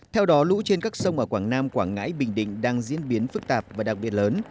theo đó lũ trên các sông ở quảng nam quảng ngãi bình định đang diễn biến phức tạp và đặc biệt lớn